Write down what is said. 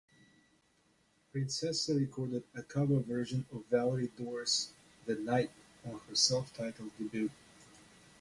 Princessa recorded a cover version of Valerie Dore's "The Night" on her self-titled debut.